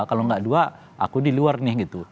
kalau nggak dua aku di luar nih gitu